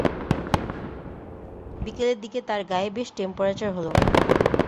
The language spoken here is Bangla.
বিকেলের দিকে তাঁর গায়ে বেশ টেম্পারেচার হলো।